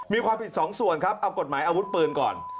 มีความผิดสองส่วนครับเอากฎหมายอาวุธปืนก่อน